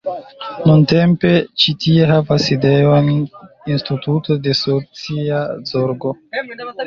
Nuntempe ĉi tie havas sidejon instituto de socia zorgo.